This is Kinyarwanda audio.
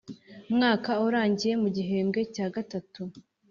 Mwaka urangiye mu gihembwe cya gatatu